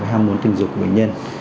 ham muốn tình dục của bệnh nhân